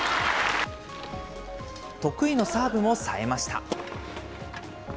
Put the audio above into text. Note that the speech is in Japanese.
得意のサーブもさえました。